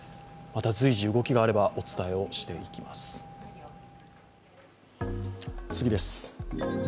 また随時動きがあればお伝えしていきます。